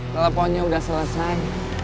teleponnya udah selesai